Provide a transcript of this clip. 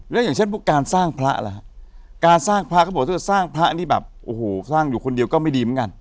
แล้วอย่างเช่นพวกการสร้างพระล่ะฮะการสร้างพระเขาบอกถ้าสร้างพระนี่แบบโอ้โหสร้างอยู่คนเดียวก็ไม่ดีเหมือนกัน